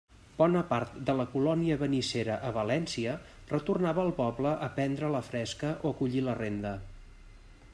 Bona part de la colònia benissera a València retornava al poble a prendre la fresca o collir la renda.